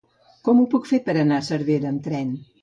Com ho puc fer per anar a Cervera amb tren?